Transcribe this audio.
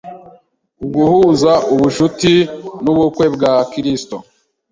uguhuza ubucuti n’ubukwe bwa gikristo